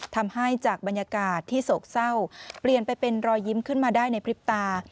ทำให้จากบรรยากาศที่โศกเศร้าเปลี่ยนไปเป็นรอยยิ้มขึ้นมาได้ในพริบตา